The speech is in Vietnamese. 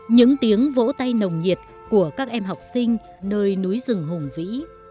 những tiếng vỗ tay nồng nhiệt của các em học sinh nơi núi rừng hùng vĩ